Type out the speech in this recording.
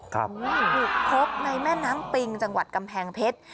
ถูกพบในแม่น้ำปิงจังหวัดกำแพงเพชร